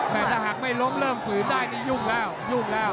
แต่ถ้าหากไม่ลงเริ่มฝืนได้นี่ยุ่งแล้ว